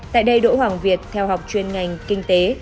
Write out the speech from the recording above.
tại đây đỗ hoàng việt theo học chuyên ngành kinh tế